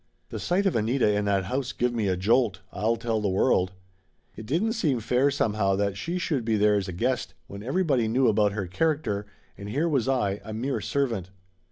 The sight of Anita in that house give me a jolt, I'll tell the world ! It didn't seem fair, somehow, that she should be there as a guest, when everybody knew about her character, and here was I, a mere servant!